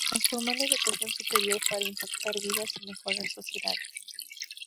Transformar la educación superior para impactar vidas y mejorar sociedades...